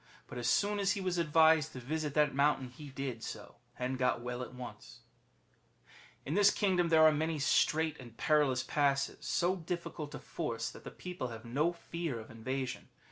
(Four ninths of the diameter of the Original.) as soon as he was advised to visit that mountain, he did so and got well at once.^] In this kingdom there are many strait and perilous passes, so difficult to force that the people have no fear of invasion.